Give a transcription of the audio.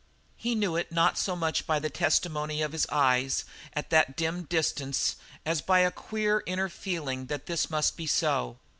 He knew it not so much by the testimony of his eyes at that dim distance as by a queer, inner feeling that this must be so.